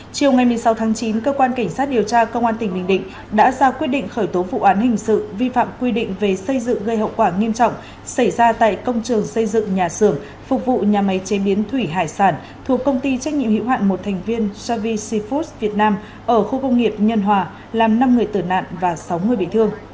chiều ngày một mươi sáu tháng chín cơ quan cảnh sát điều tra công an tỉnh bình định đã ra quyết định khởi tố vụ án hình sự vi phạm quy định về xây dựng gây hậu quả nghiêm trọng xảy ra tại công trường xây dựng nhà xưởng phục vụ nhà máy chế biến thủy hải sản thuộc công ty trách nhiệm hữu hạn một thành viên savi foos việt nam ở khu công nghiệp nhân hòa làm năm người tử nạn và sáu người bị thương